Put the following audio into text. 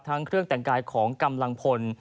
เครื่องแต่งกายของกำลังพล